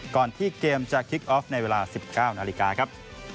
ก่อนที่เกมจะคลิกออฟในเวลา๑๙นาฬิกาครับ